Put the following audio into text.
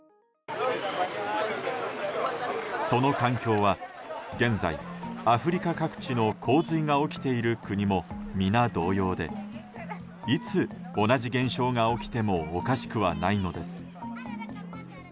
その環境は現在、アフリカ各地の洪水が起きている国も皆同様でいつ同じ現象が起きてもおかしくはないのです。